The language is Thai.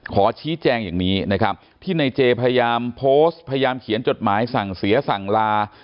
ขอชี้แจงอย่างนี้นะครับที่ในเจพยายามโพสต์พยายามเขียนจดหมายสั่งเสียสั่งลา